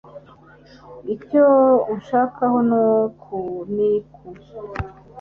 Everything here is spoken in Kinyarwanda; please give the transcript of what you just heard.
icyo unshakaho niku